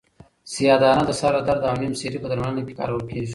سیاه دانه د سر د درد او نیم سری په درملنه کې کارول کیږي.